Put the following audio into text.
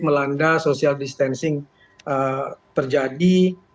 melanda social distancing terjadi